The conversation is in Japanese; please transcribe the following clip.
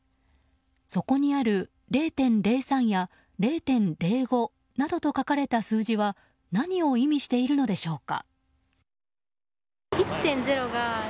そこにある０．０３や０．０５などと書かれた数字は何を意味しているのでしょうか。